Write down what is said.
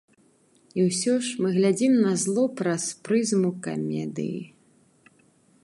І ўсе ж мы глядзім на зло праз прызму камедыі.